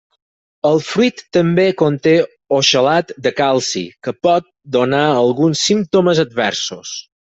El fruit també conté oxalat de calci que pot donar alguns símptomes adversos.